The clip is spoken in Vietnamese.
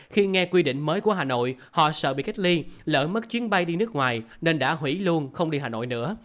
khi nghe quy định mới của hà nội họ sợ bị cách ly lỡ mất chuyến bay đi nước ngoài nên đã hủy luôn không đi hà nội nữa